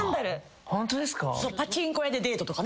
ホントですか？